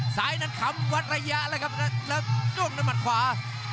ซ้ายนั้นขำวัดระยะแล้วครับแล้วด้วงด้วยหมัดขวา